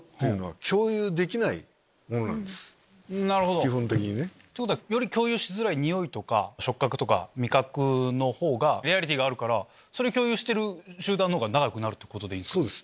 基本的にね。より共有しづらいにおい触覚味覚のほうがリアリティーがあるからそれ共有してる集団のほうが長くなるってことですか？